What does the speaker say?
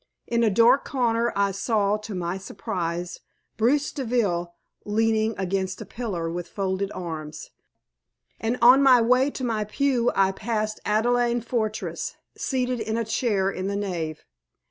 In a dark corner I saw, to my surprise, Bruce Deville leaning against a pillar with folded arms, and on my way to my pew I passed Adelaide Fortress seated in a chair in the nave.